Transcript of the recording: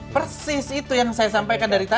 persis itu yang saya sampaikan dari tadi